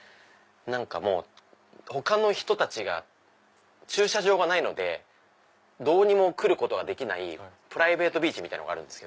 何かもう他の人たちが駐車場がないのでどうにも来ることができないプライベートビーチみたいのがあるんです。